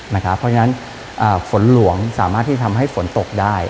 เพราะฉะนั้นฝนหลวงสามารถที่ทำให้ฝนตกได้